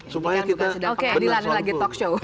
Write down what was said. supaya kita benar suara bu